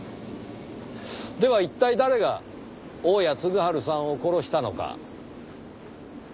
では一体誰が大屋嗣治さんを殺したのか？